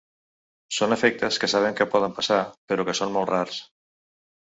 Són efectes que sabem que poden passar, però que són molt rars.